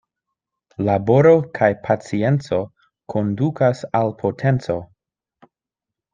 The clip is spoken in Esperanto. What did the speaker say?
Laboro kaj pacienco kondukas al potenco.